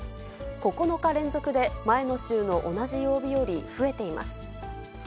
９日連続で前の週の同じ曜日より増えています。